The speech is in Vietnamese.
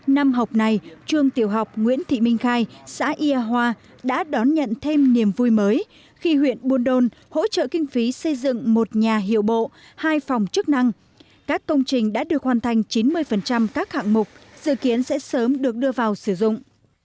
năm học này trường tiểu học nguyễn thị minh khai xã ia hoa đã đón nhận thêm niềm vui mới khi huyện buôn đôn hỗ trợ kinh phí xây dựng một nhà hiệu bộ hai phòng chức năng các công trình đã được hoàn thành chín mươi các hạng mục dự kiến sẽ sớm được đưa vào sử dụng